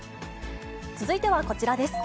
続いてはこちらです。